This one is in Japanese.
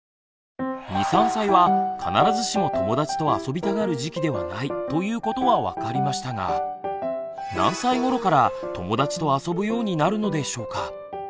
２３歳は必ずしも友だちと遊びたがる時期ではないということは分かりましたが何歳ごろから友だちと遊ぶようになるのでしょうか？